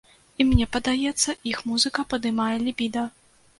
І мне падаецца, іх музыка падымае лібіда.